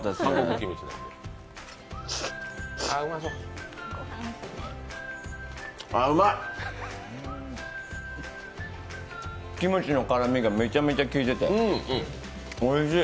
キムチの辛みがめちゃめちゃ効いてておいしい。